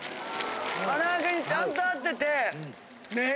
から揚げにちゃんと合っててねえ？